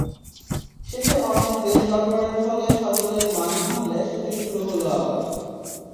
শেষে অনেক দেনদরবারের ফলে সজলের মান ভাঙলে শুটিং শুরু হলো আবার।